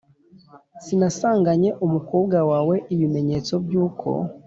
Sinasanganye umukobwa wawe ibimenyetso by uko